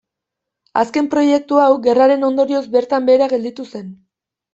Azken proiektua hau gerraren ondorioz bertan behera gelditu zen.